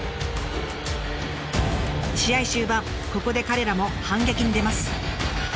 試合終盤ここで彼らも反撃に出ます。